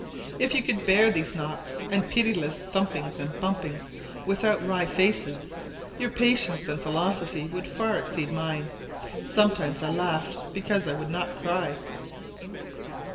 If you could bear these knocks, and pitiless thumpings and bumpings, without wry faces, your patience and philosophy would far exceed mine; sometimes I laughed because I would not cry.